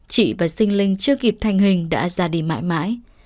chị và sinh linh chưa kịp thành hình đã ra đi mãi mãi